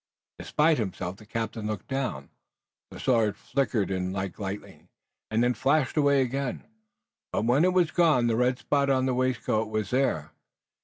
Despite himself the captain looked down. The sword flickered in like lightning, and then flashed away again, but when it was gone the red spot on the waistcoat was there.